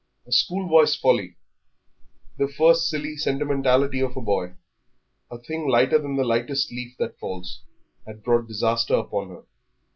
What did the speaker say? A schoolboy's folly, the first silly sentimentality of a boy, a thing lighter than the lightest leaf that falls, had brought disaster upon her.